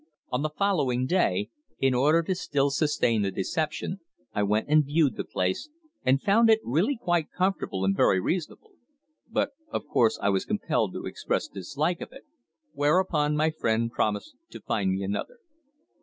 On the following day, in order to still sustain the deception, I went and viewed the place, and found it really quite comfortable and very reasonable. But, of course, I was compelled to express dislike of it. Whereupon my friend promised to find me another.